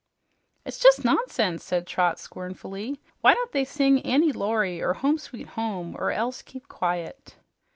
"It's jus' nonsense!" said Trot scornfully. "Why don't they sing 'Annie Laurie' or 'Home, Sweet Home' or else keep quiet?"